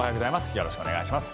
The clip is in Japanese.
よろしくお願いします。